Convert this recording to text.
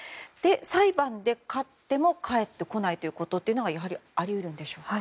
裁判で勝っても返ってこないということというのがやはり、あり得るのでしょうか。